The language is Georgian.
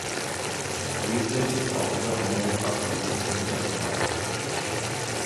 ვილდერსი სწავლობდა რომაულ–კათოლიკურ წმინდა თომასის კოლეჯში.